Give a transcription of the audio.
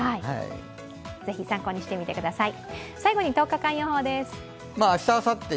是非、参考にしてみてください。